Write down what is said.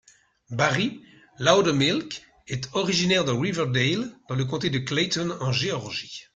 Barry Loudermilk est originaire de Riverdale dans le comté de Clayton en Géorgie.